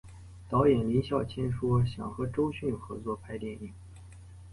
导演林孝谦说想和周迅合作拍电影。